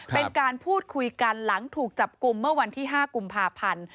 เป็นการพูดคุยกันหลังถูกจับกลุ่มเมื่อวันที่๕กุมภาพันธ์